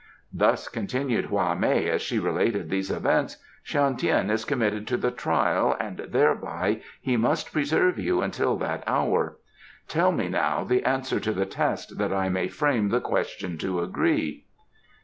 "Thus," continued Hwa mei, as she narrated these events, "Shan Tien is committed to the trial and thereby he must preserve you until that hour. Tell me now the answer to the test, that I may frame the question to agree."